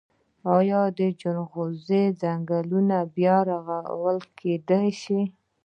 آیا د جلغوزیو ځنګلونه بیا رغول کیدی شي؟